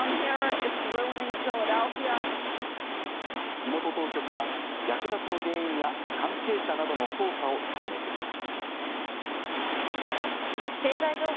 地元当局は略奪の原因や関係者などの捜査を進めています。